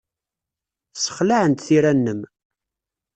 Ssexlaɛent tira-nnem.